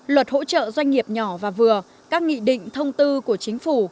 luật hỗ trợ doanh nghiệp nhỏ và vừa các nghị định thông tư của chính phủ